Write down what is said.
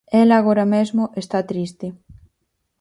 Ela agora mesmo está triste.